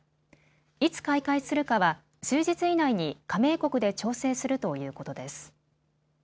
いつ開会するかは数日以内に加盟国で調整するということです。